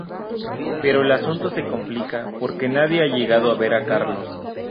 Pero el asunto se complica, porque nadie ha llegado a ver a Carlos.